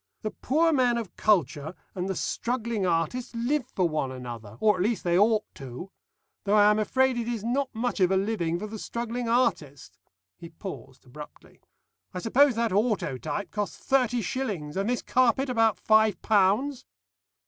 The poor man of culture and the struggling artist live for one another, or at least they ought to though I am afraid it is not much of a living for the struggling artist." He paused abruptly. "I suppose that autotype cost thirty shillings, and this carpet about five pounds?"